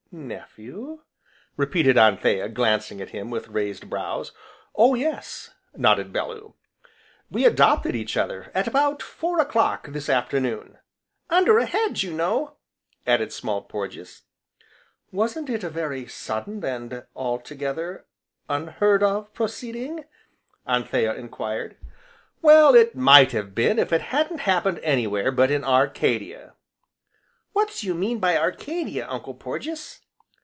"Nephew?" repeated Anthea, glancing at him with raised brows. "Oh yes!" nodded Bellew, "we adopted each other at about four o'clock, this afternoon." "Under a hedge, you know!" added Small Porges. "Wasn't it a very sudden, and altogether unheard of proceeding?" Anthea enquired. "Well, it might have been if it had happened anywhere but in Arcadia." "What do you mean by Arcadia, Uncle Porges?"